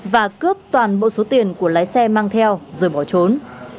và cướp toàn bộ số tiền của lái xe mang theo rồi bỏ trốn